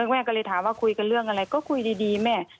แม่ก็เลยถามว่าคุยกันเรื่องอะไรก็คุยดีแม่